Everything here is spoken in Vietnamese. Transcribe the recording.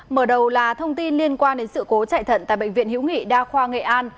mở đầu là thông tin liên quan đến sự cố chạy thận tại bệnh viện hữu nghị đa khoa nghệ an